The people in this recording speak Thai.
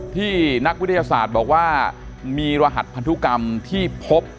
ที่นักวิทยาศาสตร์บอกว่ามีรหัสพันธุกรรมที่พบ